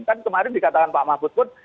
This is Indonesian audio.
kan kemarin dikatakan pak mahfud pun